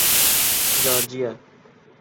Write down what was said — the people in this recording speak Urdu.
جارجیا